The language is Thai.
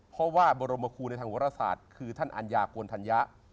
เพราะว่าบรมครูในทางวรศาสตร์คือท่านอัญญากลธัญญะ